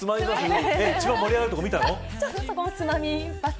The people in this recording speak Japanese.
一番盛り上がるところ見たの。